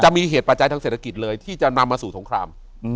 จะมีเหตุปัจจัยทางเศรษฐกิจเลยที่จะนำมาสู่สงคราม